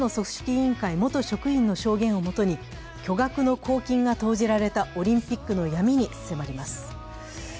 委員会元職員の証言をもとに巨額の公金が投じられたオリンピックの闇に迫ります。